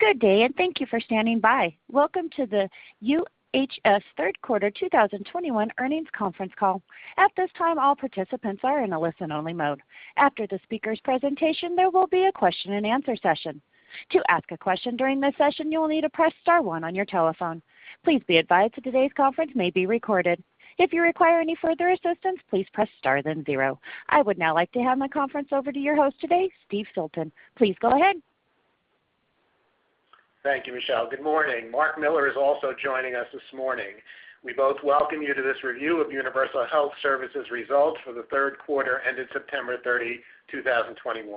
Good day, and thank you for standing by. Welcome to the UHS Q3 2021 earnings conference call. At this time, all participants are in a listen-only mode. After the speaker's presentation, there will be a question-and-answer session. To ask a question during this session, you will need to press star one on your telephone. Please be advised that today's conference may be recorded. If you require any further assistance, please press star then zero. I would now like to hand the conference over to your host today, Steve Filton. Please go ahead. Thank you, Michelle. Good morning. Marc D. Miller is also joining us this morning. We both welcome you to this review of Universal Health Services results for the Q3 ended September 30, 2021.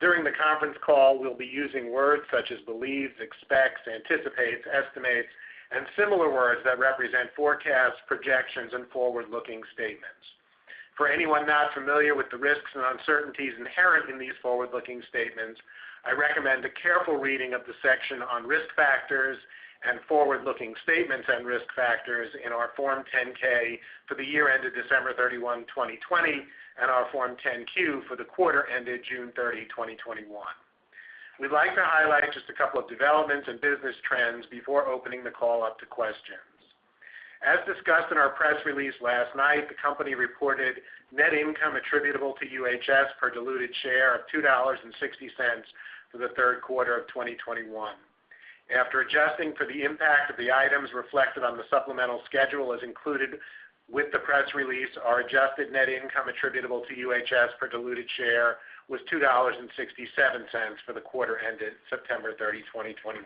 During the conference call, we'll be using words such as believes, expects, anticipates, estimates, and similar words that represent forecasts, projections, and forward-looking statements. For anyone not familiar with the risks and uncertainties inherent in these forward-looking statements, I recommend a careful reading of the section on risk factors and forward-looking statements and risk factors in our Form 10-K for the year ended December 31, 2020, and our Form 10-Q for the quarter ended June 30, 2021. We'd like to highlight just a couple of developments and business trends before opening the call up to questions. As discussed in our press release last night, the company reported net income attributable to UHS per diluted share of $2.60 for the Q3 of 2021. After adjusting for the impact of the items reflected on the supplemental schedule as included with the press release, our adjusted net income attributable to UHS per diluted share was $2.67 for the quarter ended September 30, 2021.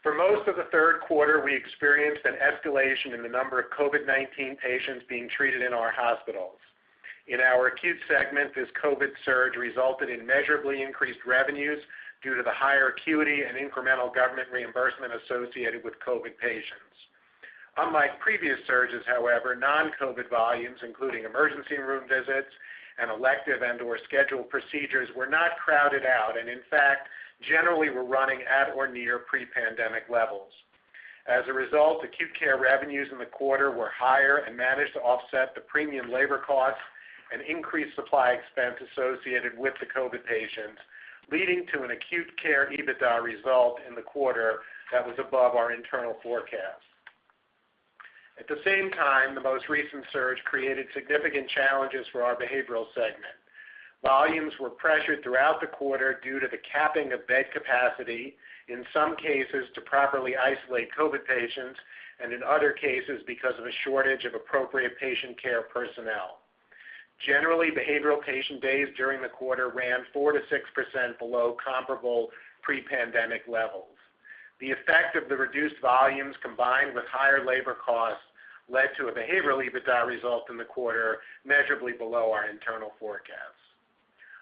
For most of the Q3, we experienced an escalation in the number of COVID-19 patients being treated in our hospitals. In our acute segment, this COVID surge resulted in measurably increased revenues due to the higher acuity and incremental government reimbursement associated with COVID patients. Unlike previous surges, however, non-COVID volumes, including emergency room visits and elective and/or scheduled procedures, were not crowded out, and in fact, generally were running at or near pre-pandemic levels. As a result, acute care revenues in the quarter were higher and managed to offset the premium labor costs and increased supply expense associated with the COVID patients, leading to an acute care EBITDA result in the quarter that was above our internal forecast. At the same time, the most recent surge created significant challenges for our behavioral segment. Volumes were pressured throughout the quarter due to the capping of bed capacity, in some cases to properly isolate COVID patients, and in other cases because of a shortage of appropriate patient care personnel. Generally, behavioral patient days during the quarter ran 4%-6% below comparable pre-pandemic levels. The effect of the reduced volumes combined with higher labor costs led to a subpar EBITDA result in the quarter measurably below our internal forecasts.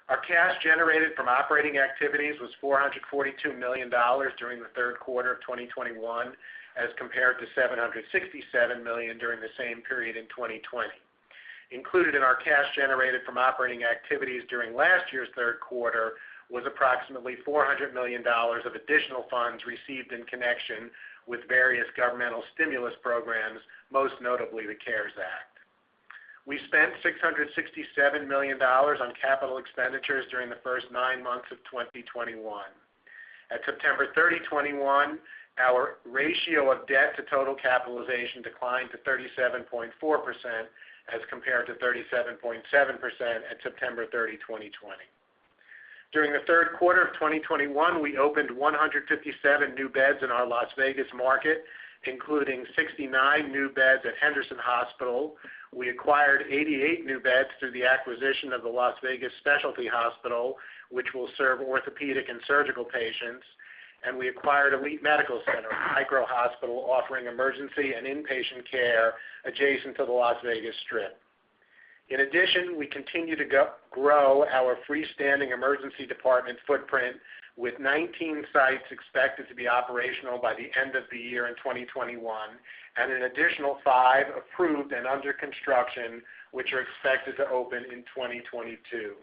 Our cash generated from operating activities was $442 million during the Q3 of 2021, as compared to $767 million during the same period in 2020. Included in our cash generated from operating activities during last year's Q3 was approximately $400 million of additional funds received in connection with various governmental stimulus programs, most notably the CARES Act. We spent $667 million on capital expenditures during the first nine months 2021. At September 30, 2021, our ratio of debt to total capitalization declined to 37.4% as compared to 37.7% at September 30, 2020. During the Q3 of 2021, we opened 157 new beds in our Las Vegas market, including 69 new beds at Henderson Hospital. We acquired 88 new beds through the acquisition of the Las Vegas Specialty Hospital, which will serve orthopedic and surgical patients. We acquired Elite Medical Center, a micro hospital offering emergency and inpatient care adjacent to the Las Vegas Strip. In addition, we continue to grow our freestanding emergency department footprint with 19 sites expected to be operational by the end of the year in 2021 and an additional five approved and under construction, which are expected to open in 2022.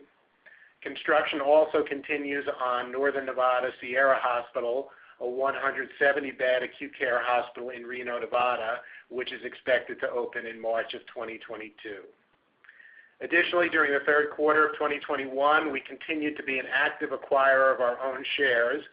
Construction also continues on Northern Nevada Sierra Medical Center, a 170-bed acute care hospital in Reno, Nevada, which is expected to open in March of 2022. Additionally, during the Q3 of 2021, we continued to be an active acquirer of our own shares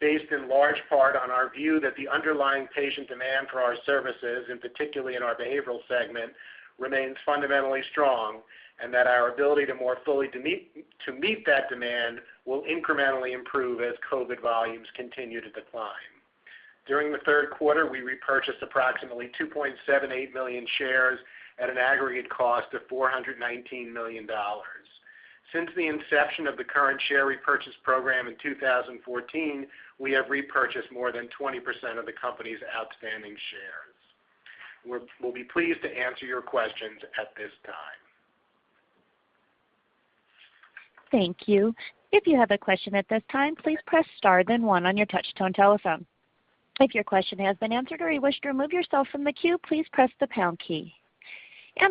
based in large part on our view that the underlying patient demand for our services, and particularly in our behavioral segment, remains fundamentally strong, and that our ability to more fully to meet that demand will incrementally improve as COVID volumes continue to decline. During the Q3, we repurchased approximately 2.78 million shares at an aggregate cost of $419 million. Since the inception of the current share repurchase program in 2014, we have repurchased more than 20% of the company's outstanding shares. We'll be pleased to answer your questions at this time. Thank you. If you have a question at this time, please press star then one on your touch tone telephone. If your question has been answered or you wish to remove yourself from the queue, please press the pound key.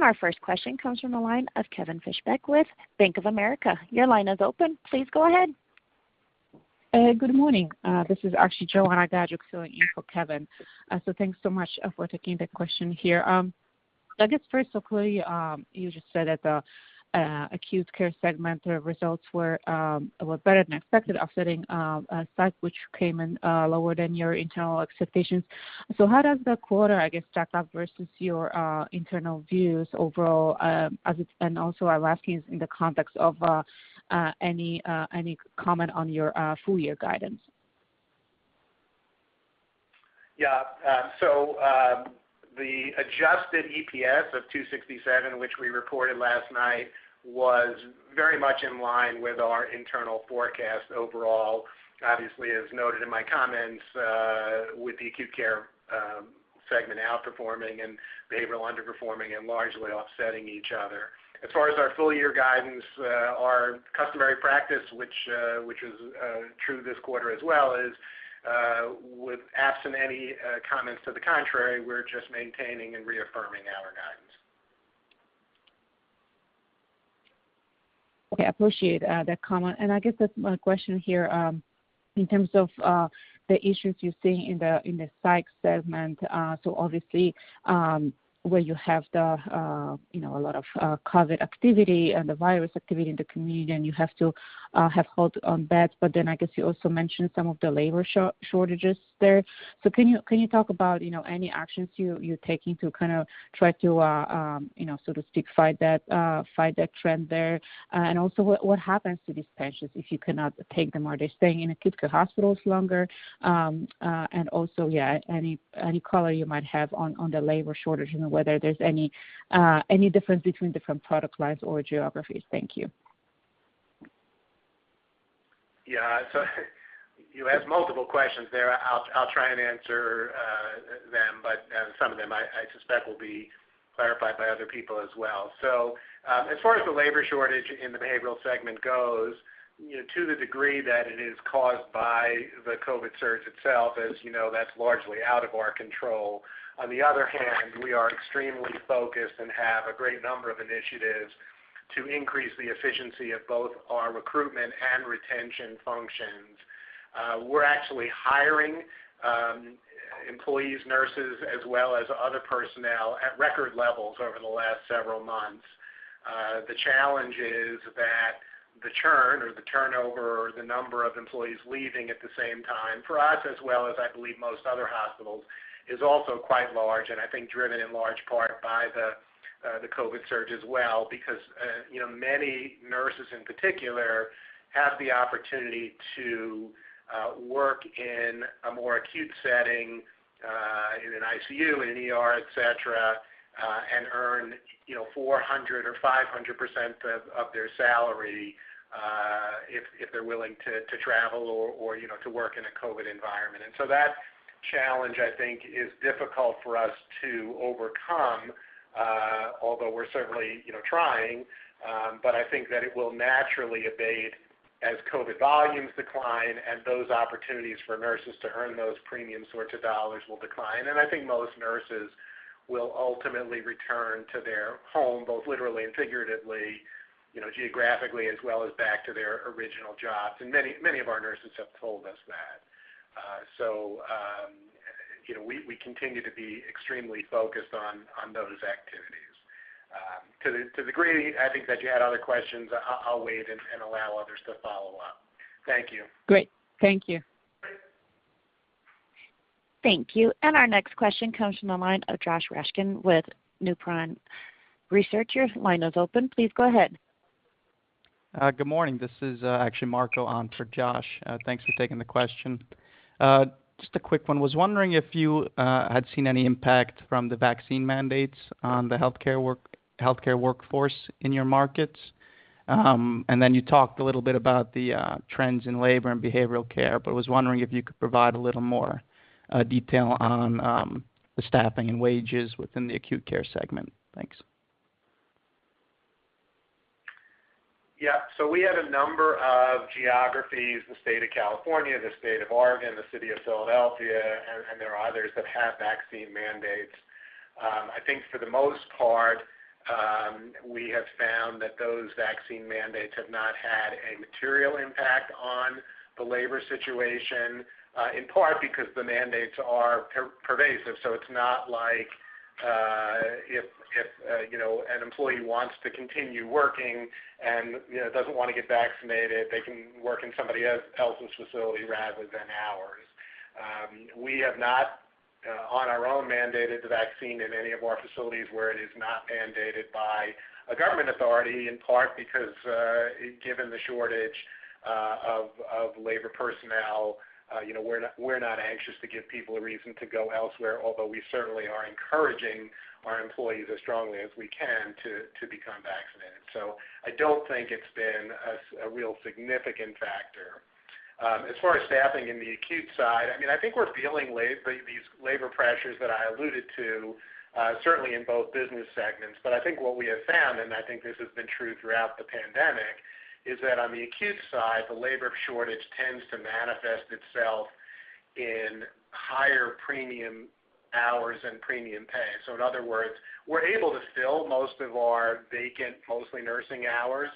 Our first question comes from the line of Kevin Fischbeck with Bank of America. Your line is open. Please go ahead. Good morning. This is actually Joanna Gajuk filling in for Kevin. Thanks so much for taking the question here. I guess first, quickly, you just said that the acute care segment, the results were better than expected, offsetting psych, which came in lower than your internal expectations. How does the quarter, I guess, stack up versus your internal views overall, and also I'll ask you in the context of any comment on your full year guidance? The adjusted EPS of 267, which we reported last night, was very much in line with our internal forecast overall, obviously, as noted in my comments, with the acute care segment outperforming and behavioral underperforming and largely offsetting each other. As far as our full year guidance, our customary practice, which is true this quarter as well, is, with absent any comments to the contrary, we're just maintaining and reaffirming our guidance. Okay. Appreciate that comment. I guess just my question here in terms of the issues you're seeing in the psych segment, so obviously where you have you know a lot of COVID activity and the virus activity in the community, and you have to have hold on beds, but then I guess you also mentioned some of the labor shortages there. Can you talk about you know any actions you're taking to kind of try to you know so to speak fight that trend there? And also what happens to these patients if you cannot take them? Are they staying in acute care hospitals longer? Any color you might have on the labor shortage and whether there's any difference between different product lines or geographies? Thank you. Yeah. You asked multiple questions there. I'll try and answer them, but some of them I suspect will be clarified by other people as well. As far as the labor shortage in the behavioral segment goes, you know, to the degree that it is caused by the COVID surge itself, as you know, that's largely out of our control. On the other hand, we are extremely focused and have a great number of initiatives to increase the efficiency of both our recruitment and retention functions. We're actually hiring employees, nurses, as well as other personnel at record levels over the last several months. The challenge is that the churn or the turnover or the number of employees leaving at the same time, for us, as well as I believe most other hospitals, is also quite large and I think driven in large part by the COVID surge as well. Because, you know, many nurses in particular have the opportunity to work in a more acute setting, in an ICU, in an ER, et cetera, and earn, you know, 400% or 500% of their salary, if they're willing to travel or, you know, to work in a COVID environment. That challenge, I think, is difficult for us to overcome, although we're certainly, you know, trying. I think that it will naturally abate as COVID volumes decline and those opportunities for nurses to earn those premium sorts of dollars will decline. I think most nurses will ultimately return to their home, both literally and figuratively, you know, geographically, as well as back to their original jobs. Many, many of our nurses have told us that. You know, we continue to be extremely focused on those activities. To the degree I think that you had other questions, I'll wait and allow others to follow up. Thank you. Great. Thank you. Thank you. Our next question comes from the line of Joshua Raskin with Nephron Research. Your line is open. Please go ahead. Good morning. This is actually Marco on for Josh. Thanks for taking the question. Just a quick one. Was wondering if you had seen any impact from the vaccine mandates on the healthcare workforce in your markets. You talked a little bit about the trends in labor and behavioral care, but was wondering if you could provide a little more detail on the staffing and wages within the acute care segment. Thanks. Yeah. We had a number of geographies, the state of California, the state of Oregon, the city of Philadelphia, and there are others that have vaccine mandates. I think for the most part, we have found that those vaccine mandates have not had a material impact on the labor situation, in part because the mandates are pervasive. It's not like, if you know, an employee wants to continue working and, you know, doesn't wanna get vaccinated, they can work in somebody else's facility rather than ours. We have not on our own mandated the vaccine in any of our facilities where it is not mandated by a government authority, in part because, given the shortage of labor personnel, you know, we're not anxious to give people a reason to go elsewhere, although we certainly are encouraging our employees as strongly as we can to become vaccinated. So I don't think it's been a real significant factor. As far as staffing in the acute side, I mean, I think we're feeling these labor pressures that I alluded to, certainly in both business segments. I think what we have found, and I think this has been true throughout the pandemic, is that on the acute side, the labor shortage tends to manifest itself in higher premium hours and premium pay. In other words, we're able to fill most of our vacant, mostly nursing hours.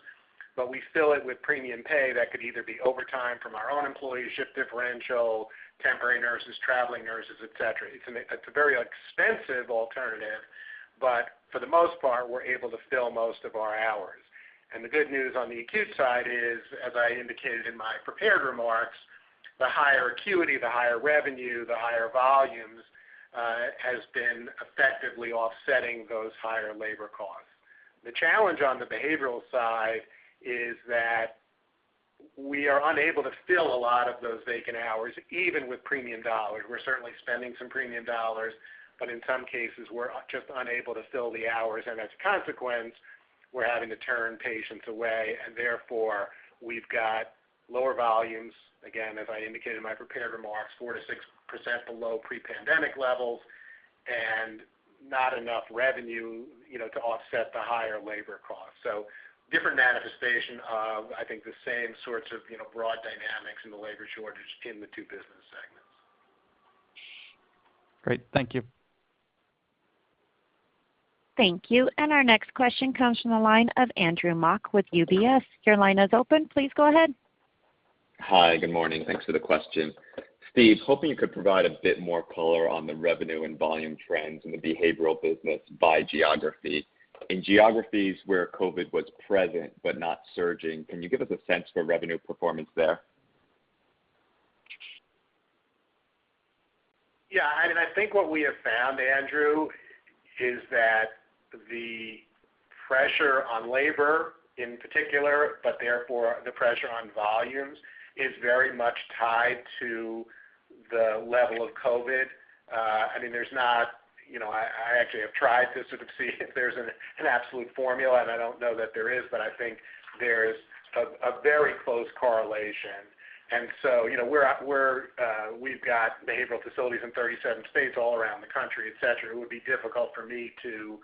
But we fill it with premium pay that could either be overtime from our own employees, shift differential, temporary nurses, traveling nurses, et cetera. It's a very expensive alternative, but for the most part, we're able to fill most of our hours. The good news on the acute side is, as I indicated in my prepared remarks, the higher acuity, the higher revenue, the higher volumes has been effectively offsetting those higher labor costs. The challenge on the behavioral side is that we are unable to fill a lot of those vacant hours, even with premium dollars. We're certainly spending some premium dollars, but in some cases, we're just unable to fill the hours, and as a consequence, we're having to turn patients away, and therefore, we've got lower volumes, again, as I indicated in my prepared remarks, 4%-6% below pre-pandemic levels, and not enough revenue, you know, to offset the higher labor costs. Different manifestation of, I think, the same sorts of, you know, broad dynamics in the labor shortage in the two business segments. Great. Thank you. Thank you. Our next question comes from the line of Andrew Mok with UBS. Your line is open. Please go ahead. Hi. Good morning. Thanks for the question. Steve, hoping you could provide a bit more color on the revenue and volume trends in the behavioral business by geography. In geographies where COVID was present but not surging, can you give us a sense for revenue performance there? Yeah. I mean, I think what we have found, Andrew, is that the pressure on labor in particular, but therefore the pressure on volumes, is very much tied to the level of COVID. I mean, I actually have tried to sort of see if there's an absolute formula, and I don't know that there is, but I think there's a very close correlation. You know, we've got behavioral facilities in 37 states all around the country, et cetera. It would be difficult for me to, you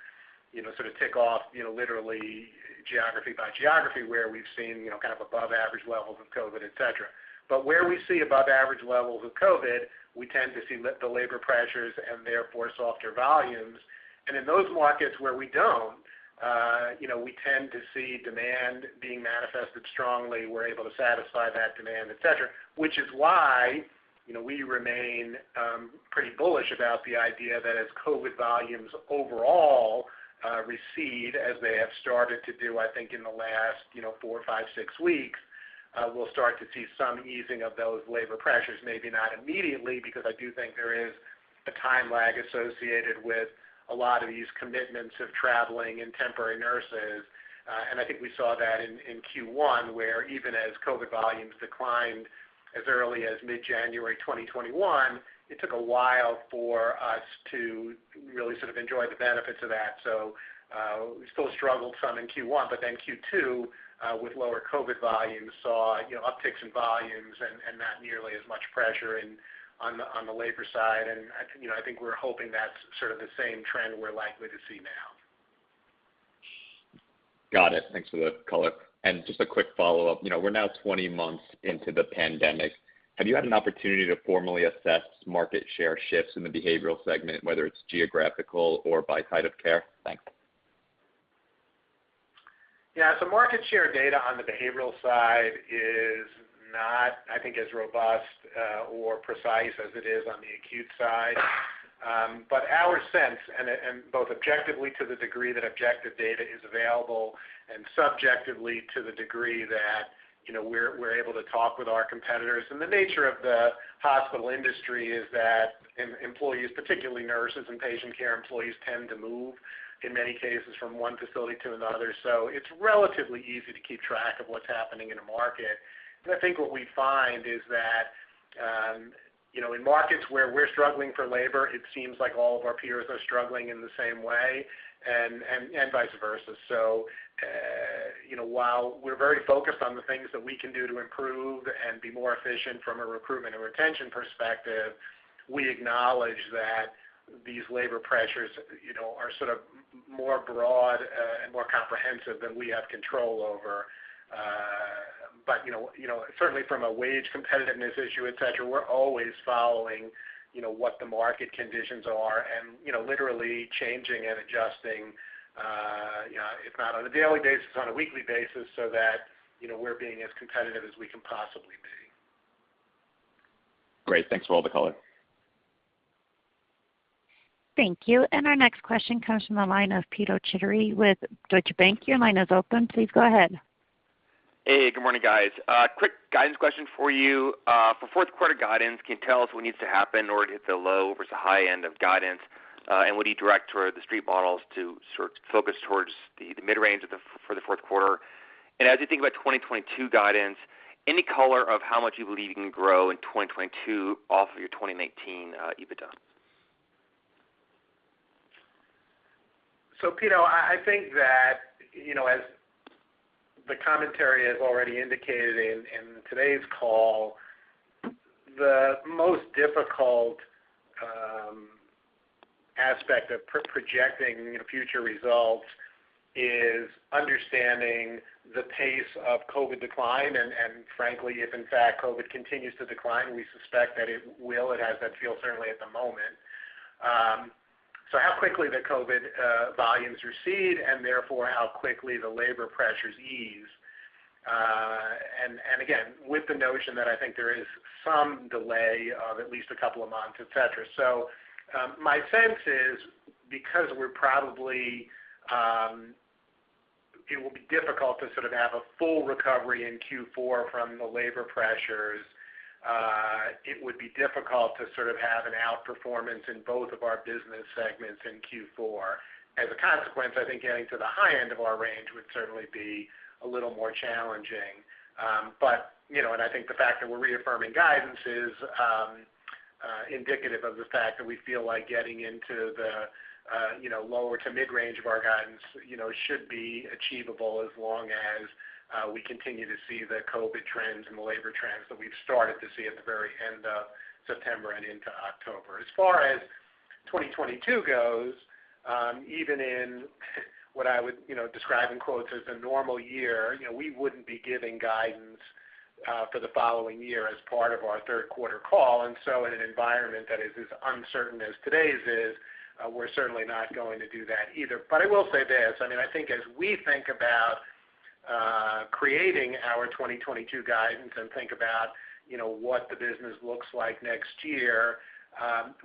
know, sort of tick off, you know, literally geography by geography, where we've seen, you know, kind of above-average levels of COVID, et cetera. Where we see above-average levels of COVID, we tend to see the labor pressures and therefore softer volumes. In those markets where we don't, you know, we tend to see demand being manifested strongly. We're able to satisfy that demand, et cetera, which is why, you know, we remain pretty bullish about the idea that as COVID volumes overall recede, as they have started to do, I think, in the last, you know, four, five, six weeks, we'll start to see some easing of those labor pressures, maybe not immediately, because I do think there is a time lag associated with a lot of these commitments of traveling and temporary nurses. I think we saw that in Q1, where even as COVID volumes declined as early as mid-January 2021, it took a while for us to really sort of enjoy the benefits of that. We still struggled some in Q1, but then Q2 with lower COVID volumes saw, you know, upticks in volumes and not nearly as much pressure on the labor side. I think we're hoping that's sort of the same trend we're likely to see now. Got it. Thanks for the color. Just a quick follow-up. You know, we're now 20 months into the pandemic. Have you had an opportunity to formally assess market share shifts in the behavioral segment, whether it's geographical or by site of care? Thanks. Yeah. Market share data on the behavioral side is not, I think, as robust or precise as it is on the acute side. But our sense and both objectively to the degree that objective data is available and subjectively to the degree that, you know, we're able to talk with our competitors, and the nature of the hospital industry is that employees, particularly nurses and patient care employees, tend to move in many cases from one facility to another. It's relatively easy to keep track of what's happening in a market. I think what we find is that, you know, in markets where we're struggling for labor, it seems like all of our peers are struggling in the same way and vice versa. You know, while we're very focused on the things that we can do to improve and be more efficient from a recruitment and retention perspective, we acknowledge that these labor pressures, you know, are sort of more broad, and more comprehensive than we have control over. You know, certainly from a wage competitiveness issue, et cetera, we're always following, you know, what the market conditions are and, you know, literally changing and adjusting, you know, if not on a daily basis, on a weekly basis, so that, you know, we're being as competitive as we can possibly be. Great. Thanks for all. Thank you. Our next question comes from the line of Pito Chickering with Deutsche Bank. Your line is open. Please go ahead. Hey, good morning, guys. Quick guidance question for you. For Q4 guidance, can you tell us what needs to happen in order to hit the low versus the high end of guidance? Would you direct sort of the street models to sort of focus toward the mid-range for the Q4? As you think about 2022 guidance, any color on how much you believe you can grow in 2022 off of your 2019 EBITDA? Pito Chickering, I think that, you know, as the commentary has already indicated in today's call, the most difficult aspect of projecting future results is understanding the pace of COVID decline. Frankly, if in fact COVID continues to decline, we suspect that it will. It has that feel certainly at the moment. How quickly the COVID volumes recede and therefore how quickly the labor pressures ease. Again, with the notion that I think there is some delay of at least a couple of months, et cetera. My sense is it will be difficult to sort of have a full recovery in Q4 from the labor pressures. It would be difficult to sort of have an outperformance in both of our business segments in Q4. As a consequence, I think getting to the high end of our range would certainly be a little more challenging. But, you know, and I think the fact that we're reaffirming guidance is indicative of the fact that we feel like getting into the, you know, lower to mid-range of our guidance, you know, should be achievable as long as we continue to see the COVID trends and the labor trends that we've started to see at the very end of September and into October. As far as 2022 goes, even in what I would, you know, describe in quotes as a normal year, you know, we wouldn't be giving guidance for the following year as part of our Q3 call. In an environment that is as uncertain as today's is, we're certainly not going to do that either. I will say this, I mean, I think as we think about creating our 2022 guidance and think about, you know, what the business looks like next year,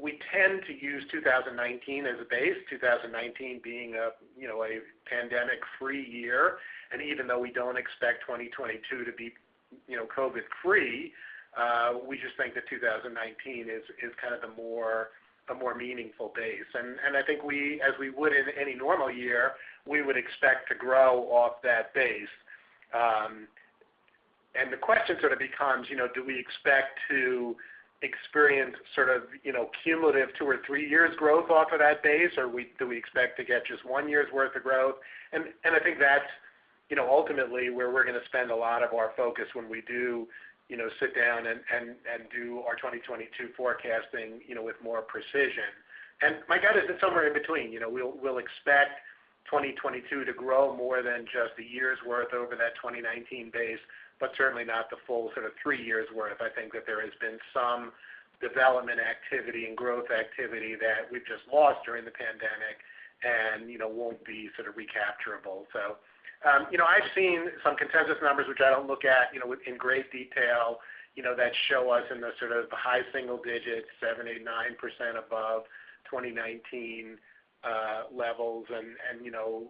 we tend to use 2019 as a base, 2019 being a, you know, a pandemic-free year. Even though we don't expect 2022 to be, you know, COVID-free, we just think that 2019 is kind of a more meaningful base. I think we, as we would in any normal year, we would expect to grow off that base. The question sort of becomes, you know, do we expect to experience sort of, you know, cumulative two or three years growth off of that base? Do we expect to get just one year's worth of growth? I think that's, you know, ultimately where we're gonna spend a lot of our focus when we do, you know, sit down and do our 2022 forecasting, you know, with more precision. My guess is it's somewhere in between. You know, we'll expect 2022 to grow more than just a year's worth over that 2019 base, but certainly not the full sort of three years' worth. I think that there has been some development activity and growth activity that we've just lost during the pandemic and, you know, won't be sort of recapturable. You know, I've seen some consensus numbers, which I don't look at, you know, in great detail, you know, that show us in the sort of the high single digits, 7, 8, 9% above 2019 levels. You know,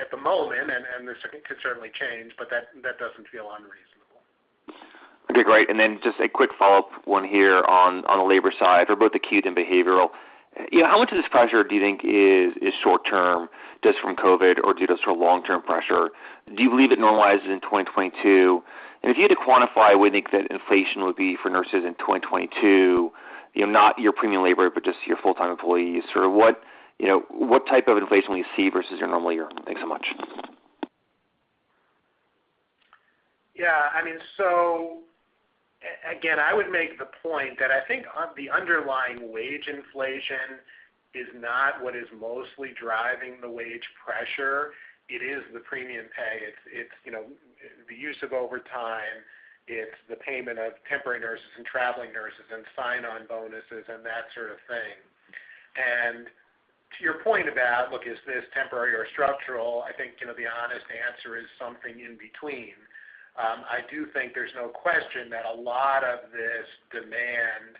at the moment, and this could certainly change, but that doesn't feel unreasonable. Okay, great. Just a quick follow-up one here on the labor side for both acute and behavioral. You know, how much of this pressure do you think is short term just from COVID or due to sort of long-term pressure? Do you believe it normalizes in 2022? And if you had to quantify what you think that inflation would be for nurses in 2022, you know, not your premium labor, but just your full-time employees, sort of what, you know, what type of inflation will you see versus your normal year? Thanks so much. I would make the point that I think on the underlying wage inflation is not what is mostly driving the wage pressure. It is the premium pay. It's, you know, the use of overtime. It's the payment of temporary nurses and traveling nurses and sign-on bonuses and that sort of thing. To your point about, look, is this temporary or structural, I think, you know, the honest answer is something in between. I do think there's no question that a lot of this demand,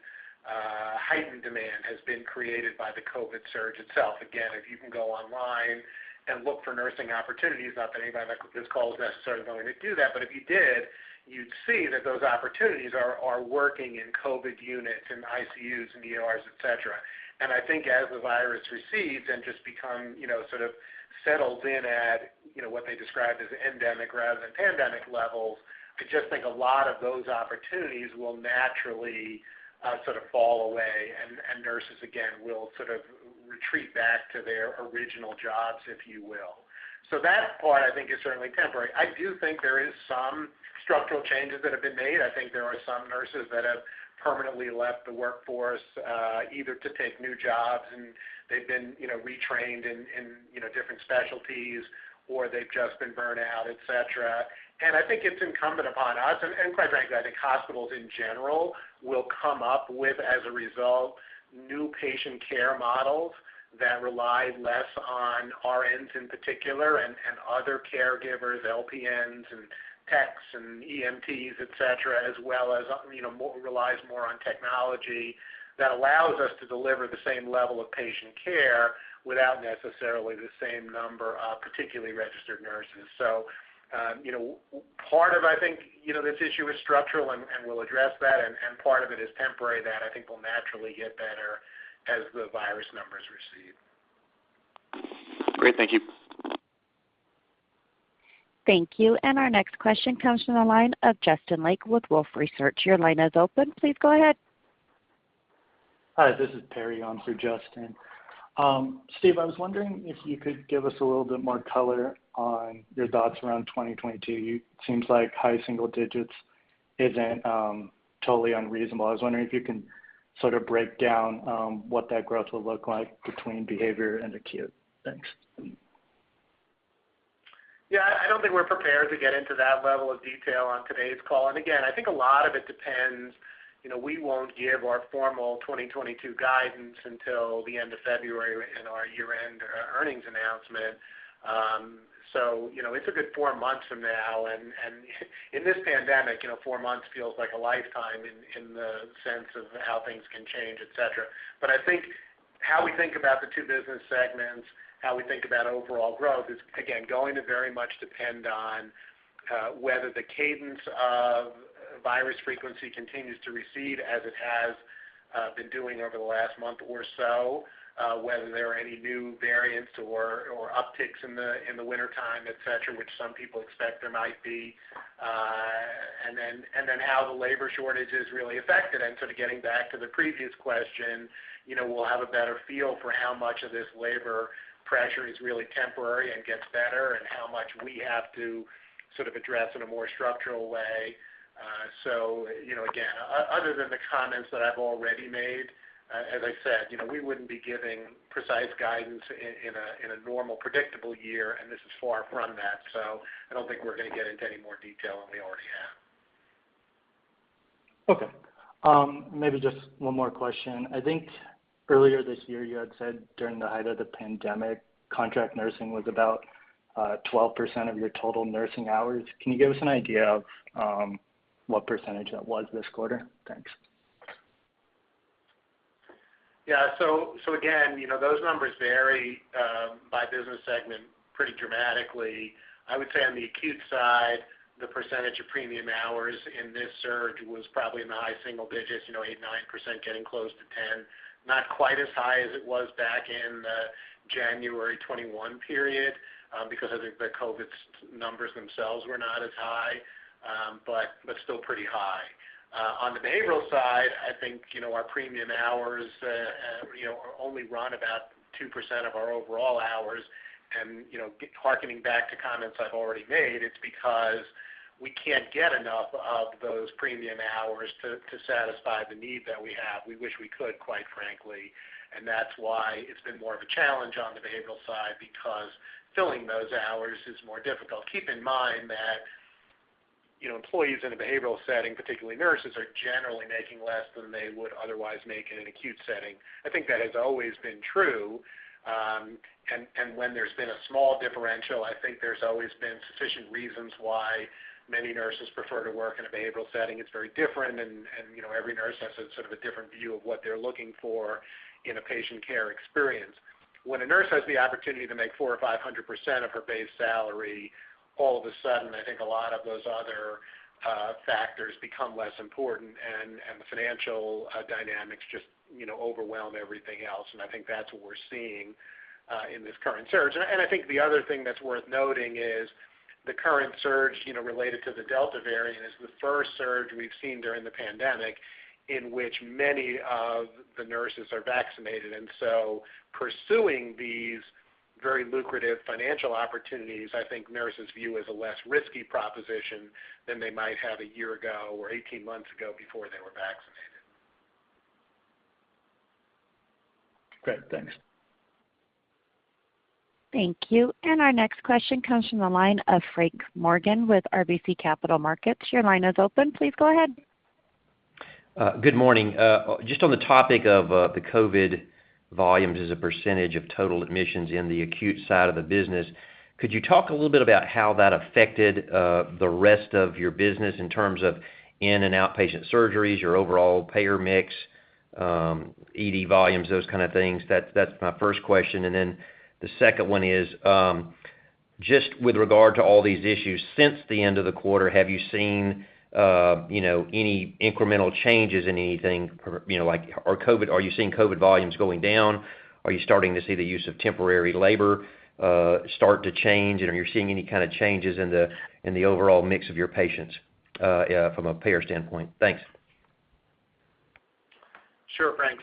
heightened demand has been created by the COVID surge itself. Again, if you can go online and look for nursing opportunities, not that anybody on this call is necessarily going to do that, but if you did, you'd see that those opportunities are working in COVID units, in ICUs, in ERs, et cetera. I think as the virus recedes and just become, you know, sort of settles in at, you know, what they described as endemic rather than pandemic levels, I just think a lot of those opportunities will naturally sort of fall away and nurses, again, will sort of retreat back to their original jobs, if you will. That part, I think is certainly temporary. I do think there is some structural changes that have been made. I think there are some nurses that have permanently left the workforce, either to take new jobs, and they've been, you know, retrained in, you know, different specialties, or they've just been burnt out, et cetera. I think it's incumbent upon us, and quite frankly, I think hospitals in general will come up with, as a result, new patient care models that rely less on RNs in particular and other caregivers, LPNs and techs and EMTs, et cetera, as well as, you know, relies more on technology that allows us to deliver the same level of patient care without necessarily the same number of particularly registered nurses. You know, part of, I think, you know, this issue is structural and we'll address that, and part of it is temporary that I think will naturally get better as the virus numbers recede. Great. Thank you. Thank you. Our next question comes from the line of Justin Lake with Wolfe Research. Your line is open. Please go ahead. Hi, this is Michelle Perry on for Justin Lake. Steve, I was wondering if you could give us a little bit more color on your thoughts around 2022. It seems like high single digits percentage isn't totally unreasonable. I was wondering if you can sort of break down what that growth will look like between behavioral and acute. Thanks. I don't think we're prepared to get into that level of detail on today's call. Again, I think a lot of it depends, you know, we won't give our formal 2022 guidance until the end of February in our year-end earnings announcement. You know, it's a good four months from now, and in this pandemic, you know, four months feels like a lifetime in the sense of how things can change, et cetera. I think how we think about the two business segments, how we think about overall growth is, again, going to very much depend on whether the cadence of virus frequency continues to recede as it has been doing over the last month or so, whether there are any new variants or upticks in the wintertime, et cetera, which some people expect there might be, and then how the labor shortage is really affected, sort of getting back to the previous question, you know, we'll have a better feel for how much of this labor pressure is really temporary and gets better, and how much we have to sort of address in a more structural way. You know, again, other than the comments that I've already made, as I said, you know, we wouldn't be giving precise guidance in a normal, predictable year, and this is far from that. I don't think we're gonna get into any more detail than we already have. Okay. Maybe just one more question. I think earlier this year, you had said during the height of the pandemic, contract nursing was about 12% of your total nursing hours. Can you give us an idea of what percentage that was this quarter? Thanks. Yeah. Again, you know, those numbers vary by business segment pretty dramatically. I would say on the acute side, the percentage of premium hours in this surge was probably in the high single digits, you know, 8, 9%, getting close to 10%. Not quite as high as it was back in the January 2021 period, because I think the COVID numbers themselves were not as high, but still pretty high. On the behavioral side, I think, you know, our premium hours, you know, only run about 2% of our overall hours. You know, hearkening back to comments I've already made, it's because we can't get enough of those premium hours to satisfy the need that we have. We wish we could, quite frankly, and that's why it's been more of a challenge on the behavioral side because filling those hours is more difficult. Keep in mind that, you know, employees in a behavioral setting, particularly nurses, are generally making less than they would otherwise make in an acute setting. I think that has always been true. When there's been a small differential, I think there's always been sufficient reasons why many nurses prefer to work in a behavioral setting. It's very different and, you know, every nurse has a sort of a different view of what they're looking for in a patient care experience. When a nurse has the opportunity to make 400%-500% of her base salary, all of a sudden, I think a lot of those other factors become less important and the financial dynamics just, you know, overwhelm everything else. I think that's what we're seeing in this current surge. I think the other thing that's worth noting is the current surge, you know, related to the Delta variant is the first surge we've seen during the pandemic in which many of the nurses are vaccinated. Pursuing these very lucrative financial opportunities, I think nurses view as a less risky proposition than they might have a year ago or 18 months ago before they were vaccinated. Great. Thanks. Thank you. Our next question comes from the line of Frank Morgan with RBC Capital Markets. Your line is open. Please go ahead. Good morning. Just on the topic of the COVID volumes as a percentage of total admissions in the acute side of the business, could you talk a little bit about how that affected the rest of your business in terms of inpatient and outpatient surgeries, your overall payer mix, ED volumes, those kind of things? That's my first question. Then the second one is, just with regard to all these issues, since the end of the quarter, have you seen you know, any incremental changes in anything, you know, like are you seeing COVID volumes going down? Are you starting to see the use of temporary labor start to change? And are you seeing any kind of changes in the overall mix of your patients from a payer standpoint? Thanks. Sure, Frank.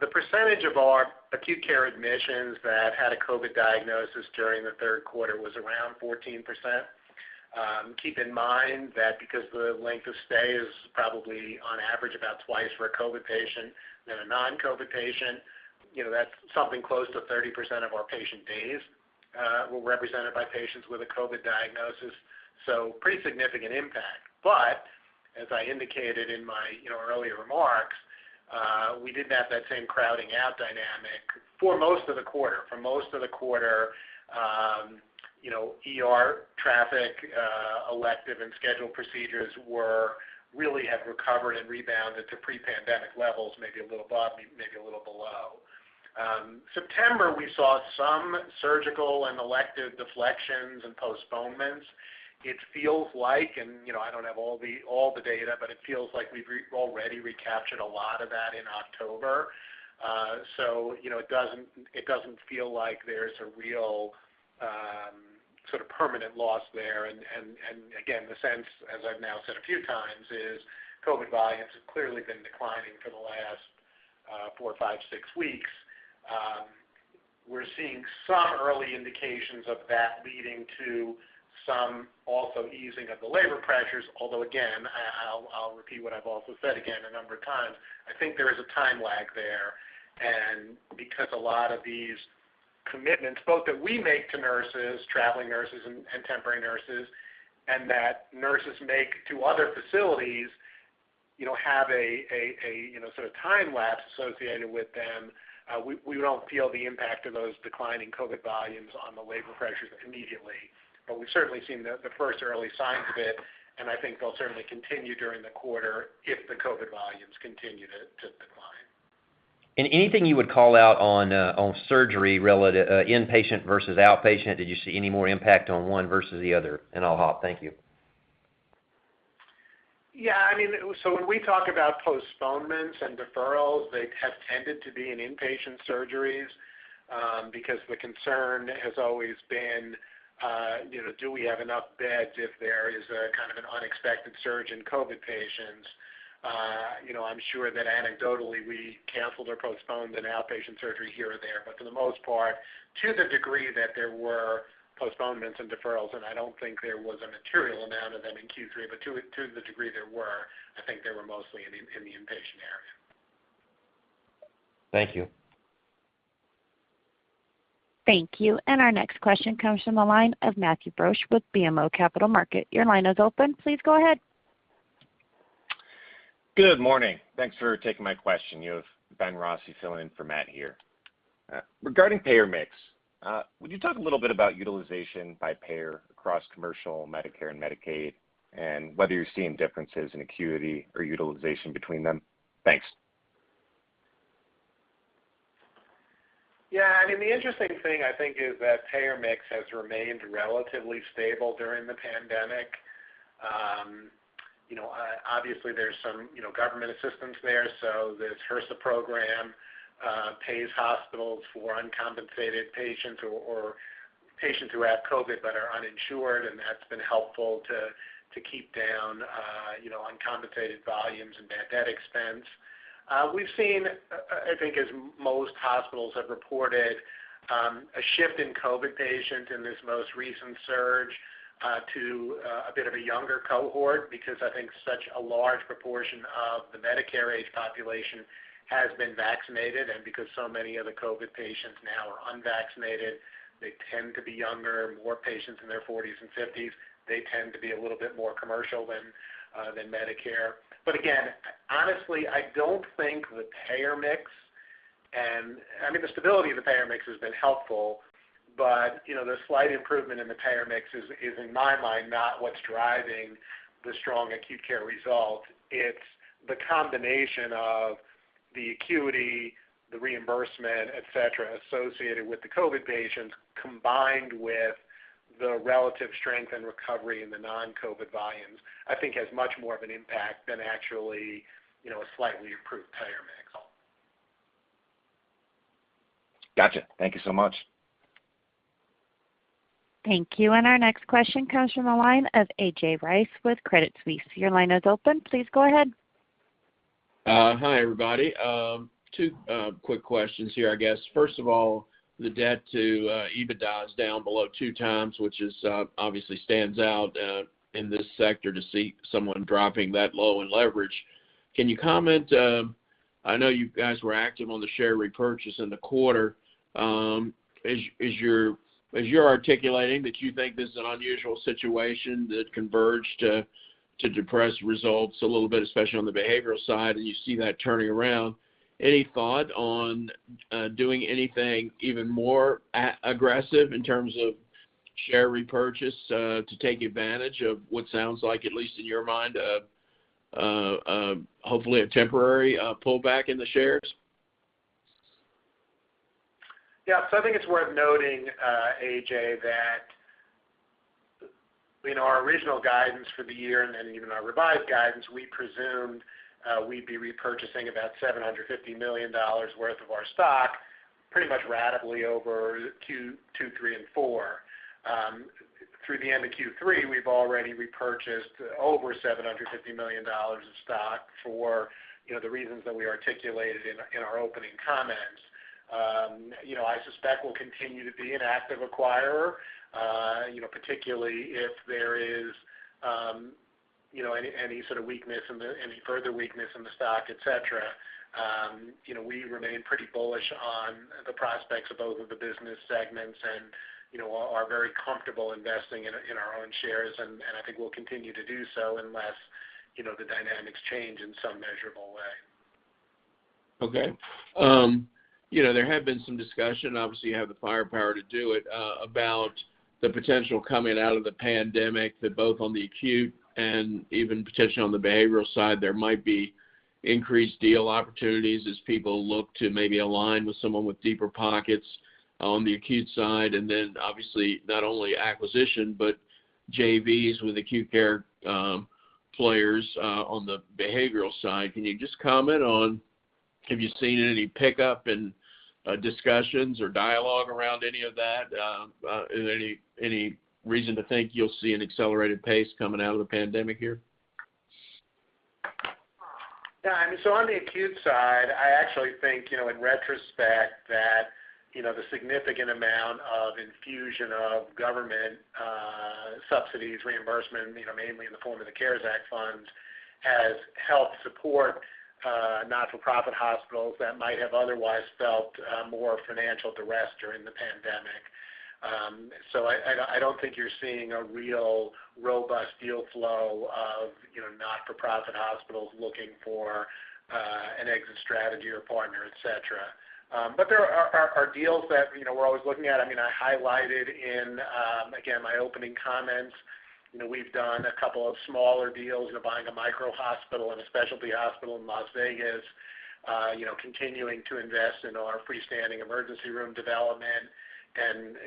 The percentage of our acute care admissions that had a COVID diagnosis during the Q3 was around 14%. Keep in mind that because the length of stay is probably on average about twice for a COVID patient than a non-COVID patient, you know, that's something close to 30% of our patient days were represented by patients with a COVID diagnosis, so pretty significant impact. As I indicated in my, you know, earlier remarks, we didn't have that same crowding out dynamic for most of the quarter. For most of the quarter, you know, ER traffic, elective and scheduled procedures really have recovered and rebounded to pre-pandemic levels, maybe a little above, maybe a little below. September, we saw some surgical and elective deflections and postponements. It feels like, you know, I don't have all the data, but it feels like we've already recaptured a lot of that in October. You know, it doesn't feel like there's a real sort of permanent loss there. Again, the sense, as I've now said a few times, is COVID volumes have clearly been declining for the last four, five, six weeks. We're seeing some early indications of that leading to some also easing of the labor pressures. Although again, I'll repeat what I've also said a number of times, I think there is a time lag there. Because a lot of these commitments, both that we make to nurses, traveling nurses and temporary nurses, and that nurses make to other facilities, you know, have a you know, sort of time lapse associated with them, we don't feel the impact of those declining COVID volumes on the labor pressures immediately. We've certainly seen the first early signs of it, and I think they'll certainly continue during the quarter if the COVID volumes continue to decline. Anything you would call out on surgery, inpatient versus outpatient? Did you see any more impact on one versus the other? I'll hop off. Thank you. Yeah. I mean, when we talk about postponements and deferrals, they have tended to be in inpatient surgeries, because the concern has always been, you know, do we have enough beds if there is a kind of an unexpected surge in COVID patients? You know, I'm sure that anecdotally we canceled or postponed an outpatient surgery here or there. For the most part, to the degree that there were postponements and deferrals, and I don't think there was a material amount of them in Q3, but to the degree there were, I think they were mostly in the inpatient area. Thank you. Thank you. Our next question comes from the line of Matthew Borsch with BMO Capital Markets. Your line is open. Please go ahead. Good morning. Thanks for taking my question. You have Benjamin Rossi filling in for Matt here. Regarding payer mix, would you talk a little bit about utilization by payer across commercial Medicare and Medicaid, and whether you're seeing differences in acuity or utilization between them? Thanks. Yeah. I mean, the interesting thing I think is that payer mix has remained relatively stable during the pandemic. You know, obviously there's some, you know, government assistance there. This HRSA program pays hospitals for uncompensated patients or patients who have COVID but are uninsured, and that's been helpful to keep down, you know, uncompensated volumes and that expense. We've seen, I think as most hospitals have reported, a shift in COVID patients in this most recent surge to a bit of a younger cohort because I think such a large proportion of the Medicare age population has been vaccinated, and because so many of the COVID patients now are unvaccinated, they tend to be younger, more patients in their forties and fifties. They tend to be a little bit more commercial than Medicare. Again, honestly, I don't think the payer mix and I mean, the stability of the payer mix has been helpful, but, you know, the slight improvement in the payer mix is in my mind not what's driving the strong acute care result. It's the combination of the acuity, the reimbursement, et cetera, associated with the COVID patients, combined with the relative strength and recovery in the non-COVID volumes, I think has much more of an impact than actually, you know, a slightly improved payer mix. Gotcha. Thank you so much. Thank you. Our next question comes from the line of A.J. Rice with Credit Suisse. Your line is open. Please go ahead. Hi, everybody. Two quick questions here, I guess. First of all, the debt to EBITDA is down below 2x, which obviously stands out in this sector to see someone dropping that low in leverage. Can you comment? I know you guys were active on the share repurchase in the quarter. Is your, as you're articulating that you think this is an unusual situation that converged to depress results a little bit, especially on the behavioral side, and you see that turning around, any thought on doing anything even more aggressive in terms of share repurchase to take advantage of what sounds like, at least in your mind, hopefully a temporary pullback in the shares? Yeah. I think it's worth noting, A.J., that, you know, our original guidance for the year and then even our revised guidance, we presumed we'd be repurchasing about $750 million worth of our stock, pretty much ratably over Q3 and Q4. Through the end of Q3, we've already repurchased over $750 million of stock for, you know, the reasons that we articulated in our opening comments. You know, I suspect we'll continue to be an active acquirer, you know, particularly if there is, you know, any sort of weakness, any further weakness in the stock, etc. You know, we remain pretty bullish on the prospects of both of the business segments and, you know, are very comfortable investing in our own shares. I think we'll continue to do so unless, you know, the dynamics change in some measurable way. Okay. You know, there have been some discussion, obviously you have the firepower to do it, about the potential coming out of the pandemic that both on the acute and even potentially on the behavioral side, there might be increased deal opportunities as people look to maybe align with someone with deeper pockets on the acute side. Obviously not only acquisition, but JVs with acute care players on the behavioral side. Can you just comment on have you seen any pickup in discussions or dialogue around any of that? Is there any reason to think you'll see an accelerated pace coming out of the pandemic here? Yeah, I mean, on the acute side, I actually think, you know, in retrospect that, you know, the significant amount of infusion of government subsidies, reimbursement, you know, mainly in the form of the CARES Act funds, has helped support not-for-profit hospitals that might have otherwise felt more financial duress during the pandemic. I don't think you're seeing a real robust deal flow of, you know, not-for-profit hospitals looking for an exit strategy or partner, et cetera. There are deals that, you know, we're always looking at. I mean, I highlighted in, again, my opening comments, you know, we've done a couple of smaller deals. You know, buying a micro hospital and a specialty hospital in Las Vegas, you know, continuing to invest in our freestanding emergency room development.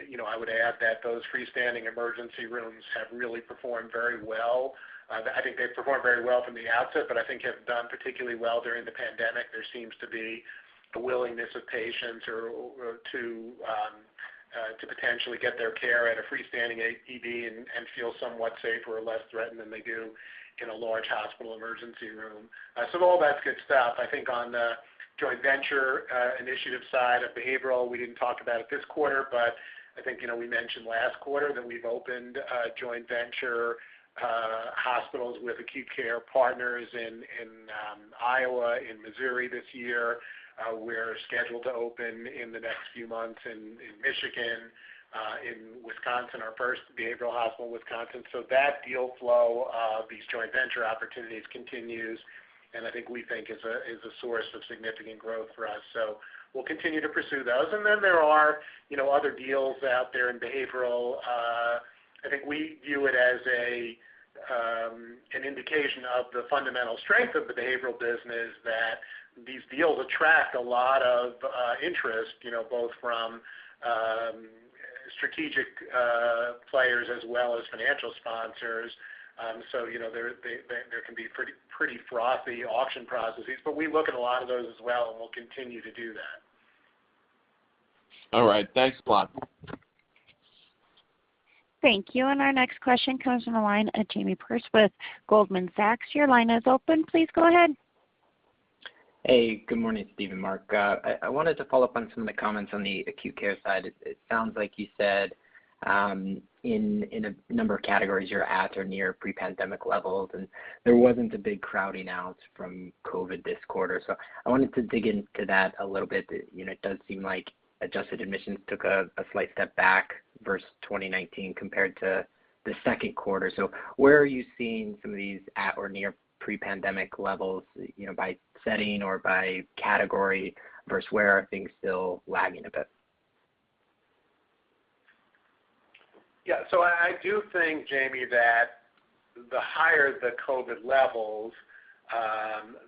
You know, I would add that those freestanding emergency rooms have really performed very well. I think they've performed very well from the outset, but I think they have done particularly well during the pandemic. There seems to be the willingness of patients to potentially get their care at a freestanding ED and feel somewhat safer or less threatened than they do in a large hospital emergency room. All that's good stuff. I think on the joint venture initiative side of behavioral, we didn't talk about it this quarter, but I think, you know, we mentioned last quarter that we've opened joint venture hospitals with acute care partners in Iowa, in Missouri this year. We're scheduled to open in the next few months in Michigan, in Wisconsin, our first behavioral hospital in Wisconsin. That deal flow of these joint venture opportunities continues, and I think it is a source of significant growth for us. We'll continue to pursue those. There are, you know, other deals out there in behavioral. I think we view it as an indication of the fundamental strength of the behavioral business that these deals attract a lot of interest, you know, both from strategic players as well as financial sponsors. You know, there can be pretty frothy auction processes. We look at a lot of those as well, and we'll continue to do that. All right. Thanks a lot. Thank you. Our next question comes from the line of Jamie Perse with Goldman Sachs. Your line is open. Please go ahead. Hey, good morning, Steve and Mark. I wanted to follow up on some of the comments on the acute care side. It sounds like you said in a number of categories you're at or near pre-pandemic levels, and there wasn't a big crowding out from COVID this quarter. I wanted to dig into that a little bit. You know, it does seem like adjusted admissions took a slight step back versus 2019 compared to Q3. Where are you seeing some of these at or near pre-pandemic levels, you know, by setting or by category versus where are things still lagging a bit? Yeah. I do think, Jamie, that the higher the COVID levels,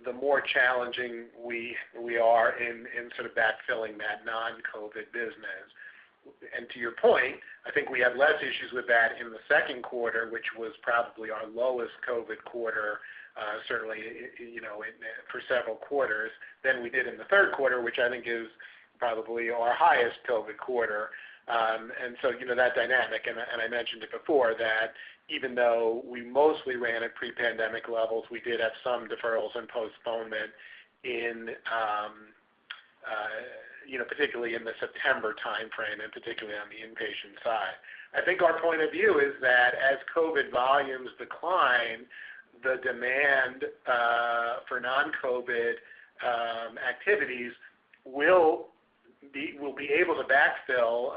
the more challenging we are in sort of backfilling that non-COVID business. To your point, I think we had less issues with that in the Q2, which was probably our lowest COVID quarter, certainly, you know, in for several quarters than we did in the Q3, which I think is probably our highest COVID quarter. You know, that dynamic, and I mentioned it before that even though we mostly ran at pre-pandemic levels, we did have some deferrals and postponement in, you know, particularly in the September timeframe and particularly on the inpatient side. I think our point of view is that as COVID volumes decline, the demand for non-COVID activities, we'll be able to backfill,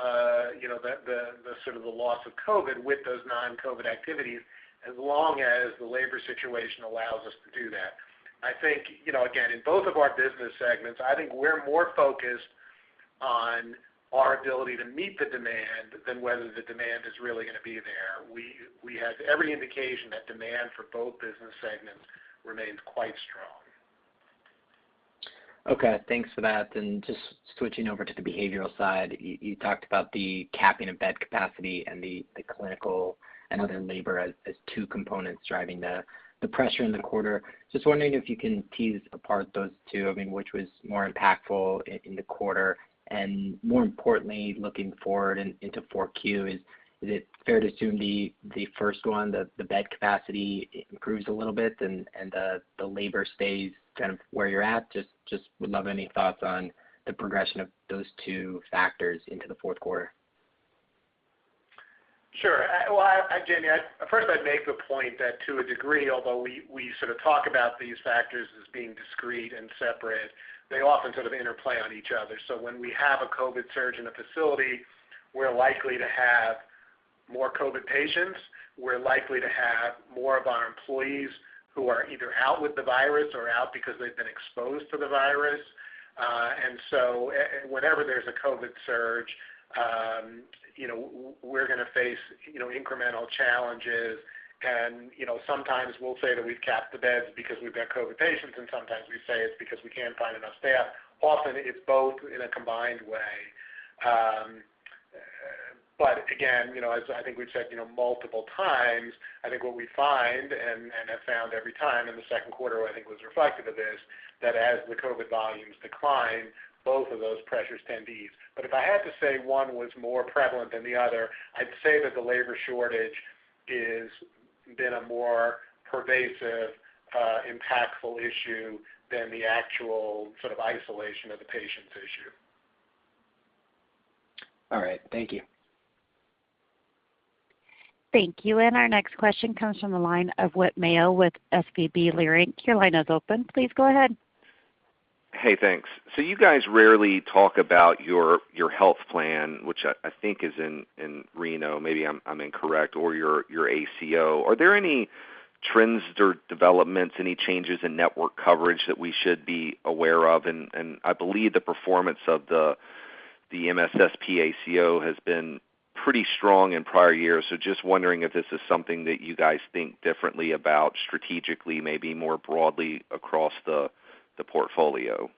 you know, the sort of loss of COVID with those non-COVID activities as long as the labor situation allows us to do that. I think, you know, again, in both of our business segments, I think we're more focused on our ability to meet the demand than whether the demand is really gonna be there. We have every indication that demand for both business segments remains quite strong. Okay. Thanks for that. Just switching over to the behavioral side, you talked about the capping of bed capacity and the clinical and other labor as two components driving the pressure in the quarter. Just wondering if you can tease apart those two. I mean, which was more impactful in the quarter? And more importantly, looking forward into Q4, is it fair to assume the first one, the bed capacity improves a little bit and the labor stays kind of where you're at? Just would love any thoughts on the progression of those two factors into the Q4. Sure. Well, Jamie, first I'd make the point that to a degree, although we sort of talk about these factors as being discrete and separate, they often sort of interplay on each other. When we have a COVID surge in a facility, we're likely to have more COVID patients, we're likely to have more of our employees who are either out with the virus or out because they've been exposed to the virus. Whenever there's a COVID surge, you know, we're gonna face, you know, incremental challenges. You know, sometimes we'll say that we've capped the beds because we've got COVID patients, and sometimes we say it's because we can't find enough staff. Often it's both in a combined way. Again, you know, as I think we've said, you know, multiple times, I think what we find and have found every time in the Q2, I think was reflective of this, that as the COVID volumes decline, both of those pressures tend to ease. If I had to say one was more prevalent than the other, I'd say that the labor shortage has been a more pervasive, impactful issue than the actual sort of isolation of the patients issue. All right. Thank you. Thank you. Our next question comes from the line of Whit Mayo with SVB Leerink. Your line is open. Please go ahead. Hey, thanks. You guys rarely talk about your health plan, which I think is in Reno, maybe I'm incorrect, or your ACO. Are there any trends or developments, any changes in network coverage that we should be aware of? I believe the performance of the MSSP ACO has been pretty strong in prior years. Just wondering if this is something that you guys think differently about strategically, maybe more broadly across the portfolio.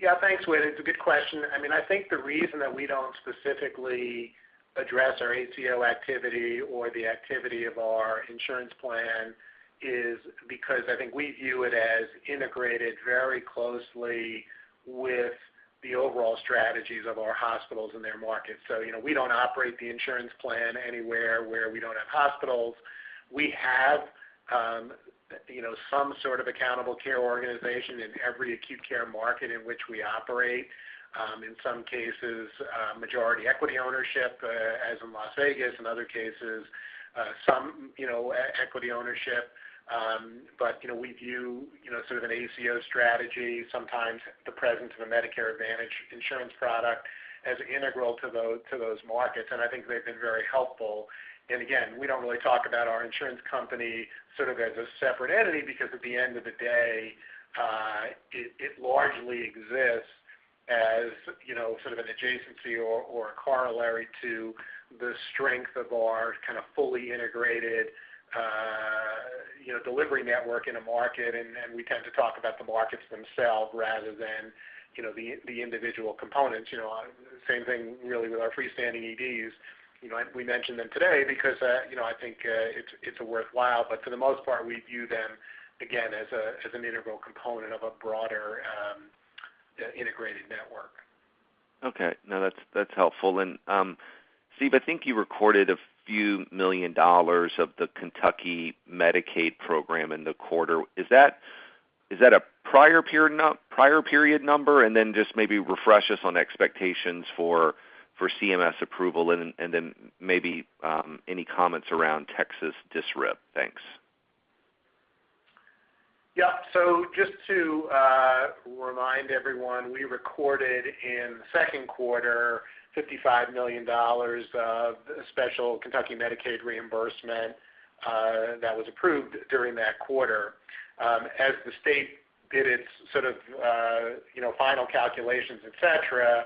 Yeah. Thanks, Whit. It's a good question. I mean, I think the reason that we don't specifically address our ACO activity or the activity of our insurance plan is because I think we view it as integrated very closely with the overall strategies of our hospitals and their markets. So, you know, we don't operate the insurance plan anywhere where we don't have hospitals. We have, you know, some sort of accountable care organization in every acute care market in which we operate. In some cases, majority equity ownership, as in Las Vegas. In other cases, some, you know, equity ownership. But, you know, we view, you know, sort of an ACO strategy, sometimes the presence of a Medicare Advantage insurance product, as integral to those markets, and I think they've been very helpful. Again, we don't really talk about our insurance company sort of as a separate entity because at the end of the day, it largely exists as, you know, sort of an adjacency or a corollary to the strength of our kind of fully integrated, you know, delivery network in a market. We tend to talk about the markets themselves rather than, you know, the individual components. You know, same thing really with our freestanding EDs. You know, we mentioned them today because, you know, I think, it's worthwhile. But for the most part, we view them, again, as an integral component of a broader, integrated network. Okay. No, that's helpful. Steve, I think you recorded a few million dollars of the Kentucky Medicaid program in the quarter. Is that a prior period number? Just maybe refresh us on expectations for CMS approval and then maybe any comments around Texas DSRIP. Thanks. Yeah. Just to remind everyone, we recorded in the Q2 $55 million of special Kentucky Medicaid reimbursement that was approved during that quarter. As the state did its sort of, you know, final calculations, et cetera,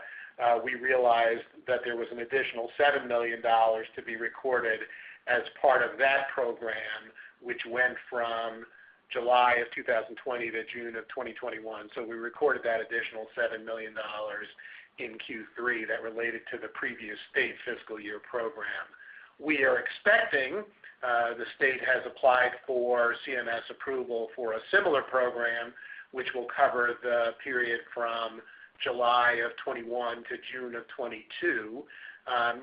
we realized that there was an additional $7 million to be recorded as part of that program, which went from July of 2020 to June of 2021. We recorded that additional $7 million in Q3 that related to the previous state fiscal year program. We are expecting the state has applied for CMS approval for a similar program, which will cover the period from July of 2021 to June of 2022.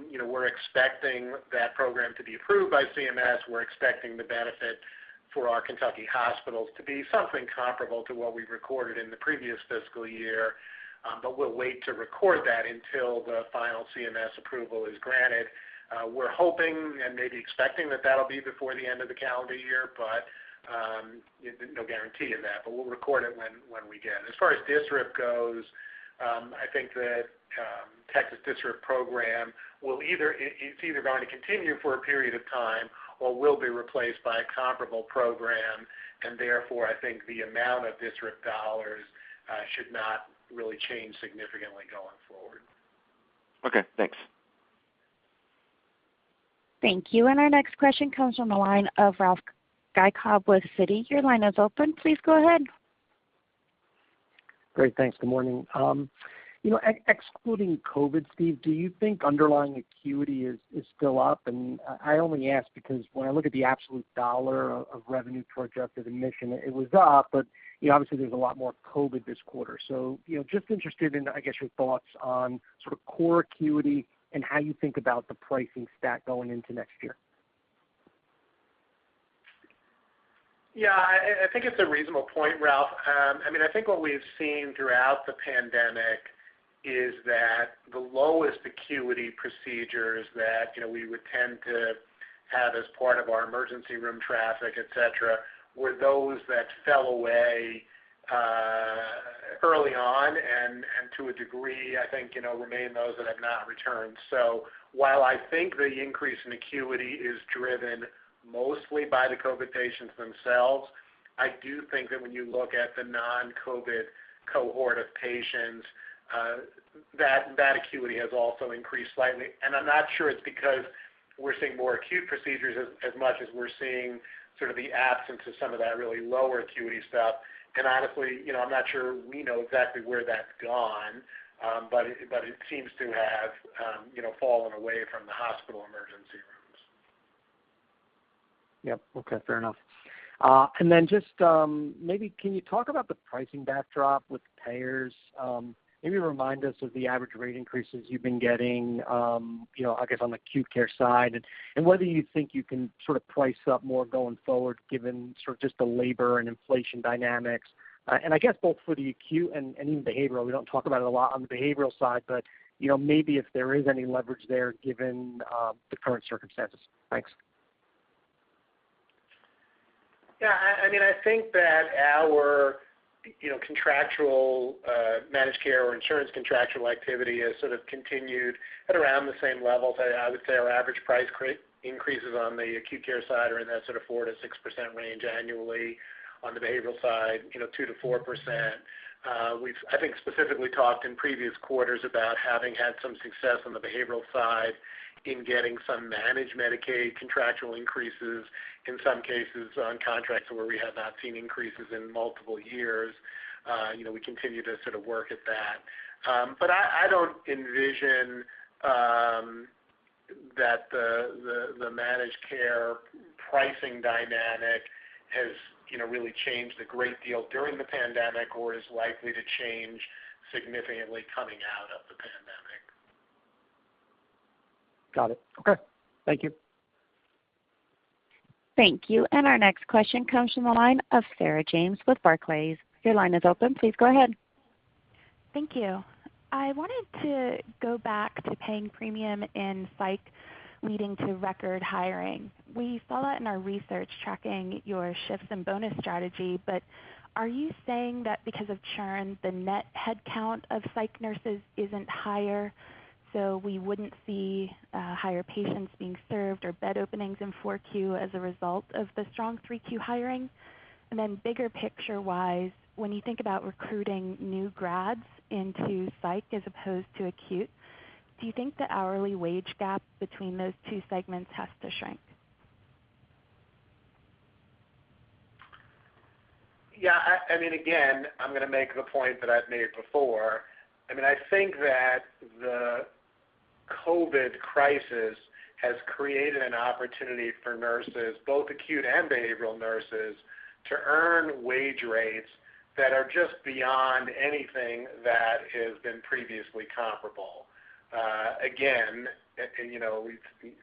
You know, we're expecting that program to be approved by CMS. We're expecting the benefit for our Kentucky hospitals to be something comparable to what we recorded in the previous fiscal year. We'll wait to record that until the final CMS approval is granted. We're hoping and maybe expecting that that'll be before the end of the calendar year, but no guarantee of that. We'll record it when we get it. As far as DSRIP goes, I think the Texas DSRIP program it's either going to continue for a period of time or will be replaced by a comparable program, and therefore, I think the amount of DSRIP dollars should not really change significantly going forward. Okay, thanks. Thank you. Our next question comes from the line of Ralph Giacobbe with Citi. Your line is open. Please go ahead. Great. Thanks. Good morning. You know, excluding COVID, Steve, do you think underlying acuity is still up? I only ask because when I look at the absolute dollar of revenue per adjusted admission, it was up. You know, obviously there's a lot more COVID this quarter. You know, just interested in, I guess, your thoughts on sort of core acuity and how you think about the pricing stack going into next year. Yeah. I think it's a reasonable point, Ralph. I mean, I think what we've seen throughout the pandemic is that the lowest acuity procedures that, you know, we would tend to have as part of our emergency room traffic, et cetera, were those that fell away early on and to a degree, I think, you know, remain those that have not returned. While I think the increase in acuity is driven mostly by the COVID patients themselves, I do think that when you look at the non-COVID cohort of patients, that acuity has also increased slightly. I'm not sure it's because we're seeing more acute procedures as much as we're seeing sort of the absence of some of that really lower acuity stuff. Honestly, you know, I'm not sure we know exactly where that's gone. It seems to have, you know, fallen away from the hospital environment. Yep. Okay, fair enough. Just maybe can you talk about the pricing backdrop with payers? Maybe remind us of the average rate increases you've been getting, you know, I guess on the acute care side, and whether you think you can sort of price up more going forward, given sort of just the labor and inflation dynamics. I guess both for the acute and even behavioral, we don't talk about it a lot on the behavioral side, but you know, maybe if there is any leverage there given the current circumstances. Thanks. Yeah. I mean, I think that our contractual managed care or insurance contractual activity has sort of continued at around the same levels. I would say our average price increases on the acute care side are in that sort of 4%-6% range annually. On the behavioral side, you know, 2%-4%. We've, I think, specifically talked in previous quarters about having had some success on the behavioral side in getting some managed Medicaid contractual increases, in some cases on contracts where we have not seen increases in multiple years. You know, we continue to sort of work at that. But I don't envision that the managed care pricing dynamic has, you know, really changed a great deal during the pandemic or is likely to change significantly coming out of the pandemic. Got it. Okay. Thank you. Thank you. Our next question comes from the line of Sarah James with Barclays. Your line is open. Please go ahead. Thank you. I wanted to go back to paying premium in psych leading to record hiring. We saw that in our research tracking your shifts and bonus strategy. Are you saying that because of churn, the net headcount of psych nurses isn't higher, so we wouldn't see higher patients being served or bed openings in Q4 as a result of the strong Q hiring? Bigger picture-wise, when you think about recruiting new grads into psych as opposed to acute, do you think the hourly wage gap between those two segments has to shrink? Yeah. I mean, again, I'm gonna make the point that I've made before. I mean, I think that the COVID crisis has created an opportunity for nurses, both acute and behavioral nurses, to earn wage rates that are just beyond anything that has been previously comparable.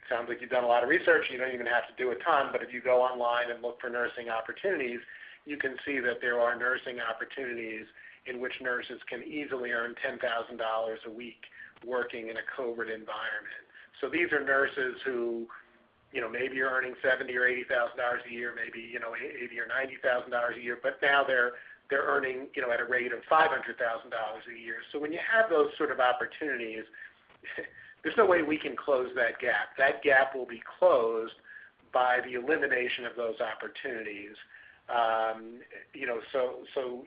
Sounds like you've done a lot of research. You don't even have to do a ton, but if you go online and look for nursing opportunities, you can see that there are nursing opportunities in which nurses can easily earn $10,000 a week working in a COVID environment. These are nurses who, you know, maybe are earning $70,000-$80,000 a year, maybe, you know, $80,000-$90,000 a year, but now they're earning, you know, at a rate of $500,000 a year. When you have those sort of opportunities, there's no way we can close that gap. That gap will be closed by the elimination of those opportunities. You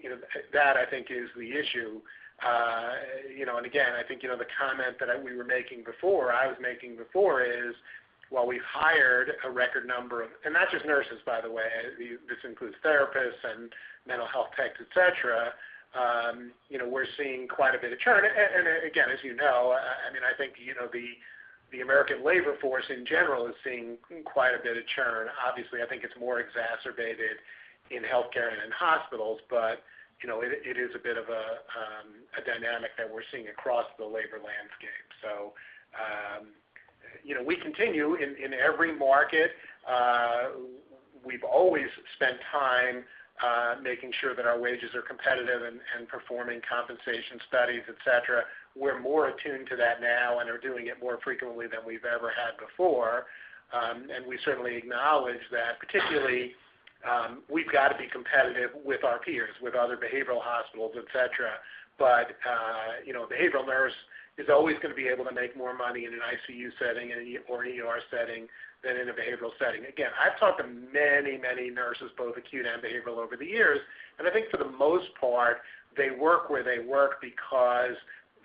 know, that I think is the issue. You know, again, I think, you know, the comment that we were making before, I was making before is, while we've hired a record number of, and not just nurses, by the way, this includes therapists and mental health techs, et cetera, you know, we're seeing quite a bit of churn. Again, as you know, I mean, I think, you know, the American labor force in general is seeing quite a bit of churn. Obviously, I think it's more exacerbated in healthcare and in hospitals, but you know, it is a bit of a dynamic that we're seeing across the labor landscape. You know, we continue in every market. We've always spent time making sure that our wages are competitive and performing compensation studies, et cetera. We're more attuned to that now and are doing it more frequently than we've ever had before. We certainly acknowledge that particularly, we've got to be competitive with our peers, with other behavioral hospitals, et cetera. You know, a behavioral nurse is always gonna be able to make more money in an ICU setting or an ER setting than in a behavioral setting. Again, I've talked to many, many nurses, both acute and behavioral over the years, and I think for the most part, they work where they work because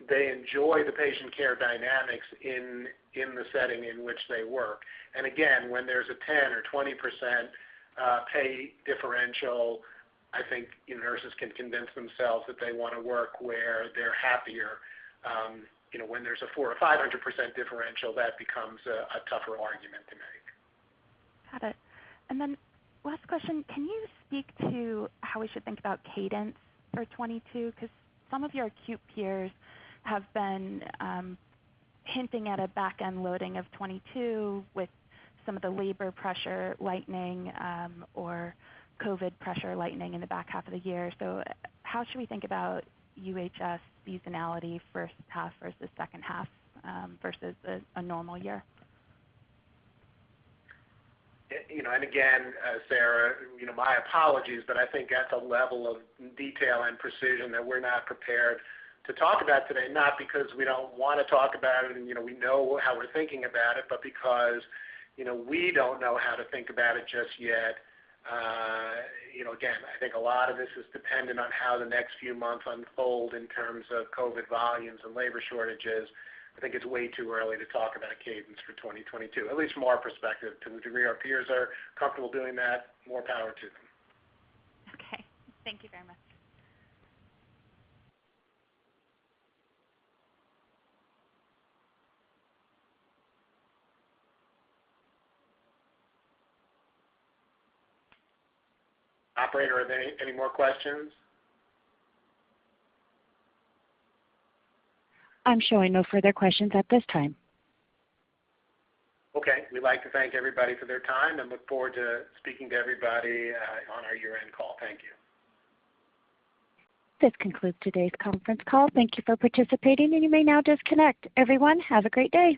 they enjoy the patient care dynamics in the setting in which they work. Again, when there's a 10% or 20% pay differential, I think, you know, nurses can convince themselves that they wanna work where they're happier. You know, when there's a 400% or 500% differential, that becomes a tougher argument to make. Got it. Last question. Can you speak to how we should think about cadence for 2022? 'Cause some of your acute peers have been hinting at a back-end loading of 2022 with some of the labor pressure lightening or COVID pressure lightening in the back half of the year. How should we think about UHS seasonality first half versus H2 versus a normal year? You know, again, Sarah, you know, my apologies, but I think that's a level of detail and precision that we're not prepared to talk about today, not because we don't wanna talk about it and, you know, we know how we're thinking about it, but because, you know, we don't know how to think about it just yet. You know, again, I think a lot of this is dependent on how the next few months unfold in terms of COVID volumes and labor shortages. I think it's way too early to talk about a cadence for 2022, at least from our perspective. To the degree our peers are comfortable doing that, more power to them. Okay. Thank you very much. Operator, are there any more questions? I'm showing no further questions at this time. Okay. We'd like to thank everybody for their time and look forward to speaking to everybody on our year-end call. Thank you. This concludes today's conference call. Thank you for participating, and you may now disconnect. Everyone, have a great day.